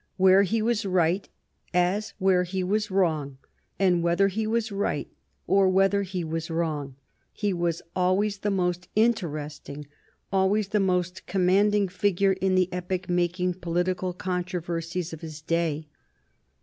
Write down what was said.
Where he was right as where he was wrong, and whether he was right or whether he was wrong, he was always the most interesting, always the most commanding figure in the epoch making political controversies of his day.